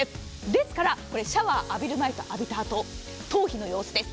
ですから、シャワーを浴びる前と浴びたあと頭皮の様子です。